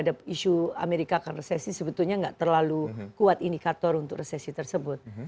ada isu amerika akan resesi sebetulnya nggak terlalu kuat indikator untuk resesi tersebut